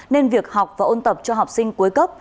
nên việc học và ôn tập cho học sinh cuối cấp